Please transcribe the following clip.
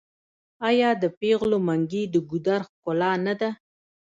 آیا د پیغلو منګي د ګودر ښکلا نه ده؟